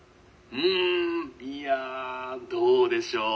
うんいやどうでしょう」。